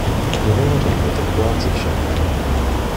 The Warden with a quart of champagne.